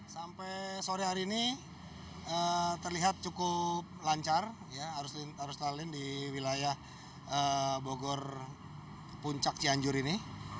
sampai sore hari ini terlihat cukup lancar arus lalu lintas di wilayah bogor puncak cianjur ini